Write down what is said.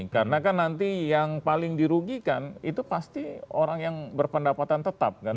karena kan nanti yang paling dirugikan itu pasti orang yang berpendapatan tetap kan